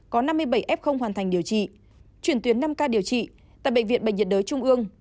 có năm mươi bảy f hoàn thành điều trị chuyển tuyến năm ca điều trị tại bệnh viện bệnh nhiệt đới trung ương